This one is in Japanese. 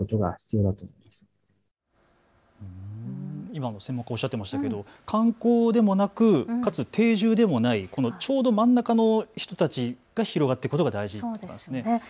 今も専門家がおっしゃっていましたが、観光でもなくかつ定住でもない、ちょうど真ん中の人たちが広がっていくことが大事ということなんですね。